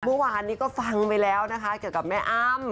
เมื่อวานนี้ก็ฟังไปแล้วนะคะเกี่ยวกับแม่อ้ำ